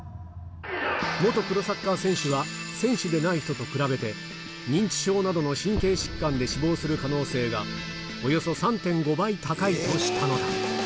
元プロサッカー選手は、選手でない人と比べて、認知症などの神経疾患で死亡する可能性が、およそ３．５倍高いとしたのだ。